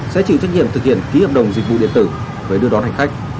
sẽ chịu trách nhiệm thực hiện ký hợp đồng dịch vụ điện tử với đưa đón hành khách